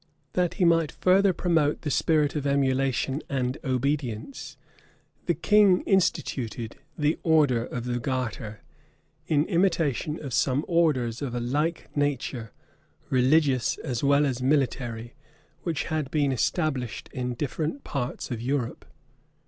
That he might further promote the spirit of emulation and obedience, the king instituted the order of the garter, in imitation of some orders of a like nature, religious as well as military, which had been established in different parts of Europe.